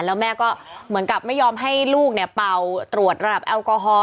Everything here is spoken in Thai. แล้วแม่ก็ไม่ยอมให้ลูกเตาตววษระดับแอลกอฮอล์